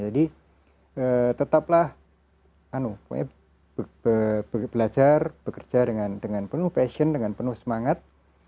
jadi tetaplah belajar bekerja dengan penuh passion dengan penuh semangat